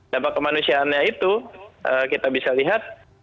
dampak kemanusiaannya itu kita bisa lihat